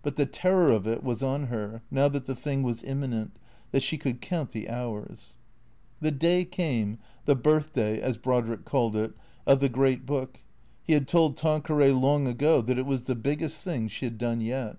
But the terror of it was on her, now that the thing was imminent, that she could count the hours. The day came, the Birthday, as Brodrick called it, of the Great Book. He had told Tanqueray long ago that it was the biggest thing she had done yet.